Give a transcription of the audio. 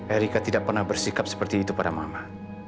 erika tidak pernah bersikap seperti itu pada mama